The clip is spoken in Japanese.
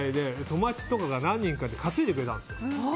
友達とかが何人かで担いでくれたんですよ。